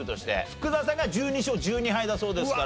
福澤さんが１２勝１２敗だそうですから。